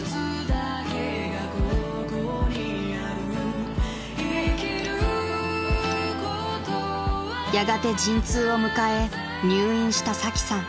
［やがて陣痛を迎え入院したサキさん］